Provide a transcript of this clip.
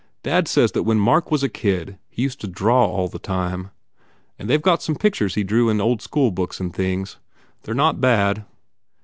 Dad says that when Mark was a kid he used to draw all the time. And they ve got some pictures he drew in old school books and things. They re not bad.